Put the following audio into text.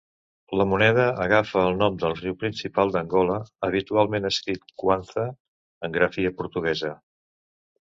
La moneda agafa el nom del riu principal d'Angola, habitualment escrit Cuanza, en grafia portuguesa.